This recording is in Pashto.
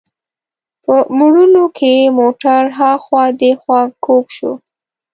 په موړونو کې موټر هاخوا دیخوا کوږ شو.